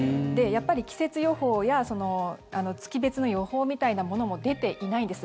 季節予報や月別の予報みたいなものも出ていないんです。